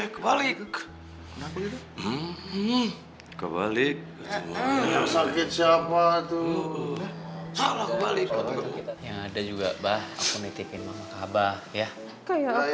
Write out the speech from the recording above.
kebalik kebalik sakit siapa tuh salah kebalik ada juga bah aku nitipin mama kabar ya kayak